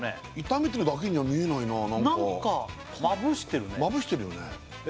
炒めてるだけには見えないな何か何かまぶしてるねまぶしてるよね